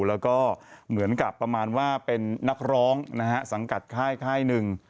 แล้วก็เหมือนกับประมาณว่าเป็นนักร้องนะฮะสังกัดค่ายค่ายหนึ่ง